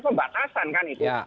tapi pembatasan kan itu